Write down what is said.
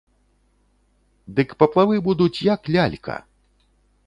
Дык паплавы будуць, як лялька!